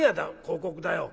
広告だよ」。